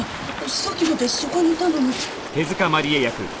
さっきまでそこにいたのに。